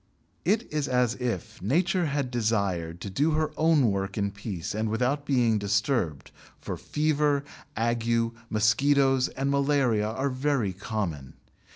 It is as if Nature had desired to do her own work in peace and without being disturbed, for fever, ague, mosquitoes, and malaria are very common.